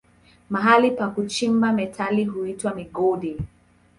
Mahali pa kuchimba metali huitwa migodi.